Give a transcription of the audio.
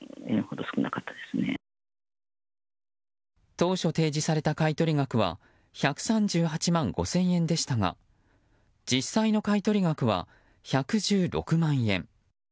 当初提示された買い取り額は１３８万５０００円でしたが実際の買い取り額は１１６万円。